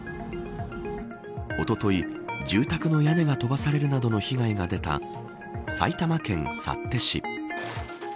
おととい、住宅の屋根が飛ばされるなどの被害が出た埼玉県幸手市。